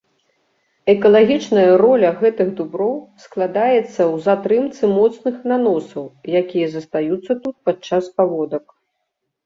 Экалагічная роля гэтых дуброў складаецца ў затрымцы моцных наносаў, якія застаюцца тут падчас паводак.